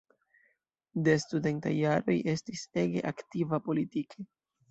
De studentaj jaroj estis ege aktiva politike.